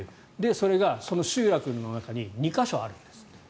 それがその集落の中に２か所あるんですって。